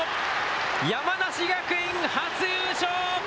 山梨学院初優勝。